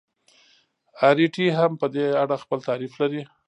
اریټي هم په دې اړه خپل تعریف لري.